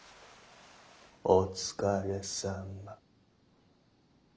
お疲れさまッ。